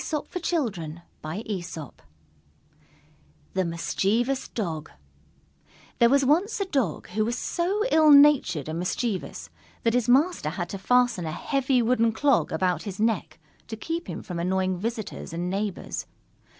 _ THE MISCHIEVOUS DOG There was once a Dog who was so ill natured and mischievous that his Master had to fasten a heavy wooden clog about his neck to keep him from annoying visitors and neighbors.